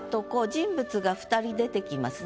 人物が２人出てきますね。